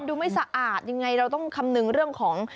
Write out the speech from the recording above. ดูไม่สะอาดยังไงเราต้องคำนึงเรื่องของ